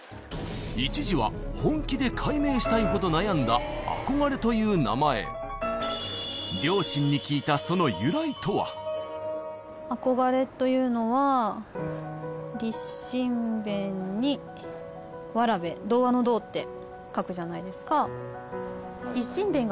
一時は本気で改名したいほど悩んだ憧れという名前両親に聞いた「憧れ」というのはりっしんべんに童童話の「童」って書くじゃないですか。